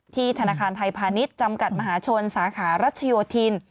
ธนาคารไทยพาณิชย์จำกัดมหาชนสาขารัชโยธิน